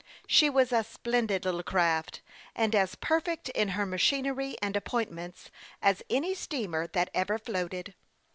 She was a splendid little craft, and as per fect in her machinery and appointments as any steamer that ever floated.